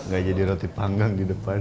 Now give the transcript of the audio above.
gak jadi roti panggang di depan